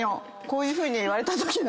こういうふうに言われたときの。